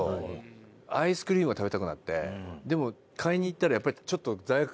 でも買いに行ったらやっぱりちょっと。